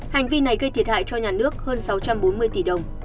hành vi này gây thiệt hại cho nhà nước hơn sáu trăm bốn mươi tỷ đồng